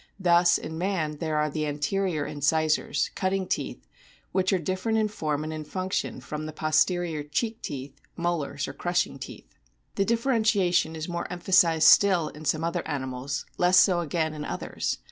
Thus in man there are the anterior incisors, cutting teeth, which are different in form and in function from the posterior cheek teeth, molars or crushing teeth. The differ entiation is more emphasised still in some other animals, less so again in others.